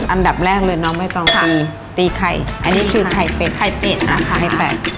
อันดับแรกเลยน้องใบตองตีตีไข่อันนี้คือไข่เป็ดไข่เป็ดนะคะไข่เป็ด